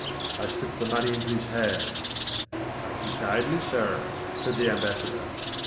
I slipped the money into his hand. "Thank'ee kindly, sir," said the Ambassador.